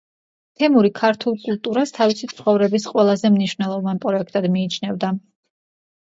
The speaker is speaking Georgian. თემური „ქართულ კულტურას“ თავისი ცხოვრების ყველაზე მნიშვნელოვან პროექტად მიიჩნევდა.